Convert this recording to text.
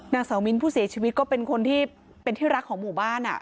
นางสาวมิ้นผู้เสียชีวิตก็เป็นคนที่เป็นที่รักของหมู่บ้าน